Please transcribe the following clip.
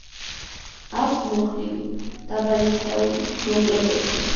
აქვს მოქნილი, დაბალი სხეული, მოკლე ბეწვი.